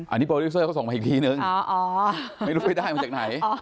อันนี้โปรดิวเซอร์เขาส่งมาอีกทีนึงไม่รู้ไปได้มาจากไหน